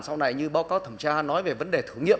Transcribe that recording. sau này như báo cáo thẩm tra nói về vấn đề thử nghiệm